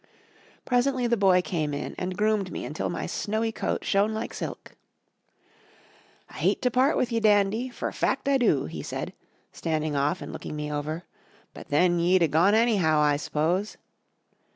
Presently the boy came in and groomed me until my snowy coat shone like silk. "I hate to part with ye, Dandy, fer fact I do!" he said, standing off and looking me over, "but then ye'd a gone anyhow, I s'pose."